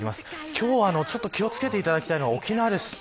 今日は気を付けていただきたいのが沖縄です。